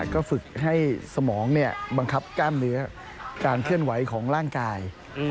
ก็ฝึกให้สมองบังคับกล้ามเนื้อการเคลื่อนไหวของร่างกาย